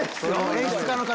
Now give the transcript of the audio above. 演出家の方。